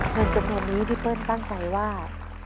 เงินจำนวนนี้พี่เปิ้ลตั้งใจว่า